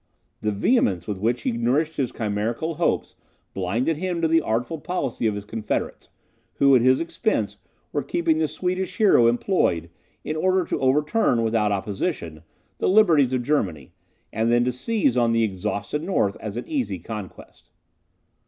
The vehemence with which he nourished his chimerical hopes blinded him to the artful policy of his confederates, who at his expense were keeping the Swedish hero employed, in order to overturn, without opposition, the liberties of Germany, and then to seize on the exhausted North as an easy conquest.